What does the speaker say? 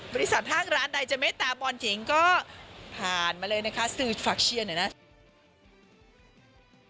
บริษัทห้างร้านใดจะเมตตาบอลหญิงก็ผ่านมาเลยนะครับซื้อฟาร์คเชียนเลยนะ